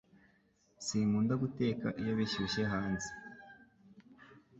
Sinkunda guteka iyo bishyushye hanze